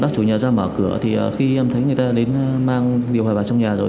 chủ nhà ra mở cửa thì khi em thấy người ta đến mang điều hòa vào trong nhà rồi